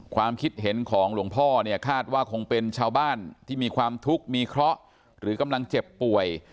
ความคิดเห็นของหลวงพ่อเนี่ยคาดว่าคงเป็นชาวบ้านที่มีความทุกข์มีเคราะห์หรือกำลังเจ็บป่วย